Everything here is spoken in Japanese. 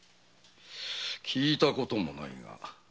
聞いたこともないが。